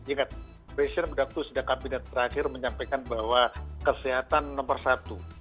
ingat presiden mendaftar sejak kabinet terakhir menyampaikan bahwa kesehatan nomor satu